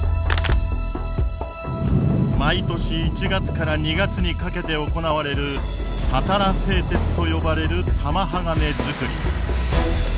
毎年１月から２月にかけて行われるたたら製鉄と呼ばれる玉鋼づくり。